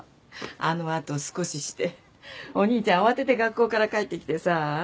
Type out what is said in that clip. あの後少ししてお兄ちゃん慌てて学校から帰ってきてさぁ。